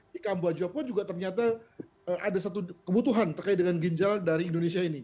di kamboja pun juga ternyata ada satu kebutuhan terkait dengan ginjal dari indonesia ini